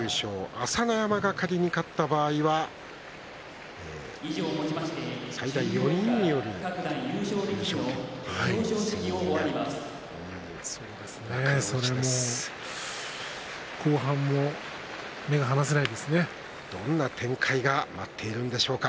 朝乃山が仮に勝った場合には最大４人による優勝決定戦と後半もどんな展開が待っているのでしょうか。